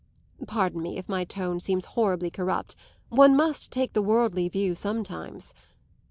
Pardon me if my tone seems horribly corrupt; one must take the worldly view sometimes.